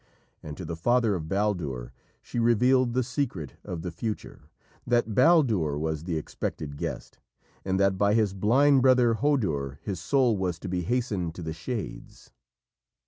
And to the father of Baldur she revealed the secret of the future, that Baldur was the expected guest, and that by his blind brother Hodur his soul was to be hastened to the Shades.